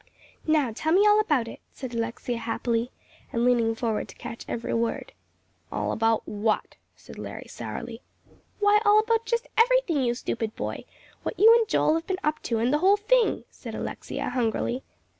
"Now tell me all about it," said Alexia, happily, and leaning forward to catch every word. "All about what?" said Larry, sourly. "Why, all about just everything, you stupid boy; what you and Joel have been up to, and the whole thing," said Alexia, hungrily.